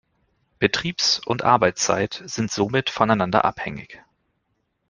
Betriebs- und Arbeitszeit sind somit voneinander abhängig.